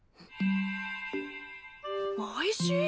おいしい！